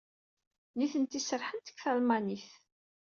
Nitenti serrḥent deg talmanit.